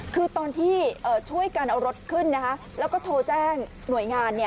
คือตอนที่ช่วยกันเอารถขึ้นแล้วก็โทรแจ้งหน่วยงาน